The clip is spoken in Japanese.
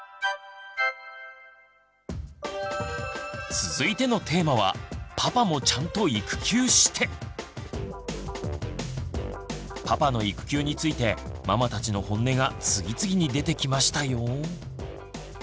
続いてのテーマはパパの育休についてママたちの本音が次々に出てきましたよ。